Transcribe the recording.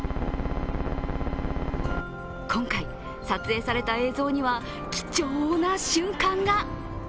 今回、撮影された映像には貴重な瞬間が。